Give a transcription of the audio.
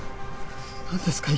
何ですか？